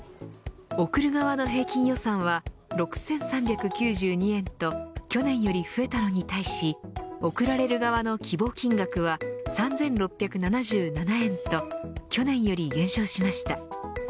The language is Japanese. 贈る側の平均予算は６３９２円と去年より増えたのに対し贈られる側の希望金額は３６７７円と去年より減少しました。